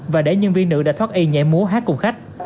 và để nhân viên nữ đã thoát y nhảy múa hát cùng khách